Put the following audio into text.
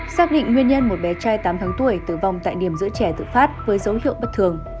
xác định nguyên nhân một bé trai tám tháng tuổi tử vong tại điểm giữa trẻ tự phát với dấu hiệu bất thường